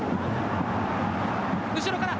後ろから。